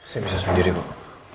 saya bisa sendiri kok